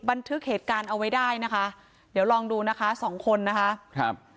บันทึกเหตุการณ์เอาไว้ได้นะคะเดี๋ยวลองดูนะคะสองคนนะคะครับ